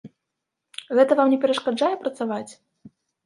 Гэта вам не перашкаджае працаваць?